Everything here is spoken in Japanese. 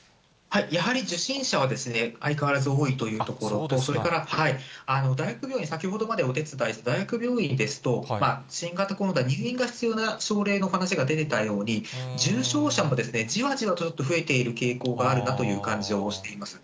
やはり、受診者は相変わらず多いというところ、それから大学病院、先ほどまでお手伝いしていた大学病院ですと、新型コロナ、入院が必要な症例の方が出ていたように、重症者もじわじわと増えているという傾向があるなという感じがしています。